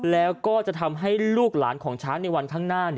แล้วก็จะทำให้ลูกหลานของช้างในวันข้างหน้า